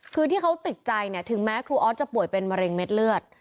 คือที่เขาติดใจเนี่ยถึงแม้ครูออสจะป่วยเป็นมะเร็งเม็ดเลือด